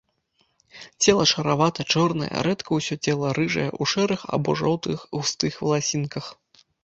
Цела шаравата-чорнае, рэдка ўсё цела рыжае, у шэрых або жоўтых густых валасінках.